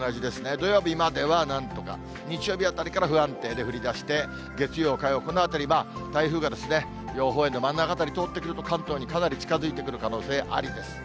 土曜日まではなんとか、日曜日あたりから不安定で、降りだして、月曜、火曜、このあたりは台風が予報円の真ん中辺りを通ってくると、関東にかなり近づいてくる可能性ありです。